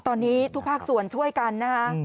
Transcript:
ตอนนี้ทุกภาคส่วนช่วยกันนะคะ